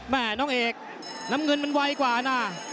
แม่น้องเอกน้ำเงินมันไวกว่านะ